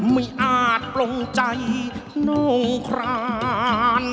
ไม่อาจปลงใจโน่งคลาน